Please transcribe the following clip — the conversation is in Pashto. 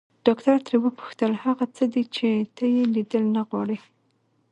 ډاکټر ترې وپوښتل هغه څه دي چې ته يې ليدل نه غواړې.